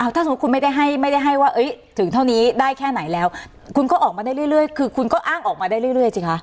ถ้าสมมุติคุณไม่ได้ให้ไม่ได้ให้ว่าถึงเท่านี้ได้แค่ไหนแล้วคุณก็ออกมาได้เรื่อยคือคุณก็อ้างออกมาได้เรื่อยสิคะ